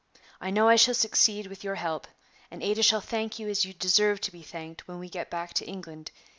I know I shall succeed with your help, and Ada shall thank you as you deserve to be thanked when we get back to England.